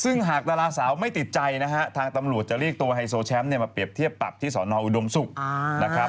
ซึ่งหากธรรมห์สาวไม่ติดใจทางตำรวจจะเรียกตัวไฮโซแชมป์มาเปรียบเทียบปรับที่สอนออุดมสุก